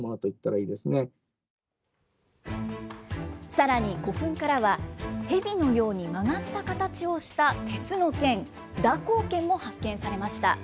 さらに古墳からは、へびのように曲がった形をした鉄の剣、蛇行剣も発見されました。